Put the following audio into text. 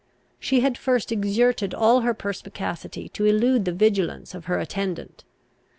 She had first exerted all her perspicacity to elude the vigilance of her attendant.